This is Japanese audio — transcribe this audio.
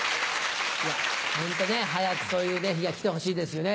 ホント早くそういう日が来てほしいですよね。